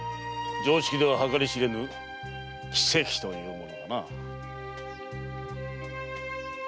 常識では計り知れぬ「奇跡」というものがな。